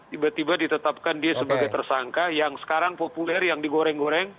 tiba tiba ditetapkan dia sebagai tersangka yang sekarang populer yang digoreng goreng